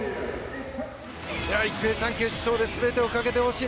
一平さん、決勝で全てをかけてほしい。